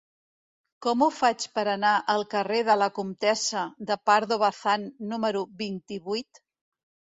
Com ho faig per anar al carrer de la Comtessa de Pardo Bazán número vint-i-vuit?